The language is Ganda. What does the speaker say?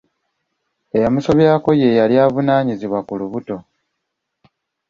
Eyamusobyako ye yali avunaanyizibwa ku lubuto.